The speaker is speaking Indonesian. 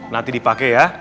nanti dipakai ya